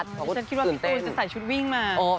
คุณตื่นเต้นฉันคิดว่าพี่ตูนจะใส่ชุดวิ่งมา